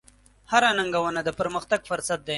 هره ننګونه د پرمختګ فرصت دی.